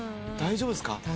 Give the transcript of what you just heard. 大丈夫っすか？